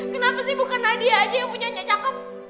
kenapa sih bukan nadia aja yang punya nya cakep